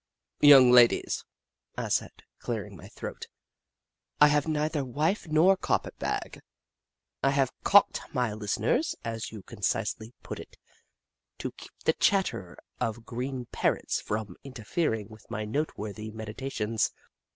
"Young ladies," I said, clearing my throat, " I have neither wife nor carpet bag. I have calked my listeners, as you concisely put it, to keep the chatter of green parrots from inter fering with my noteworthy meditations.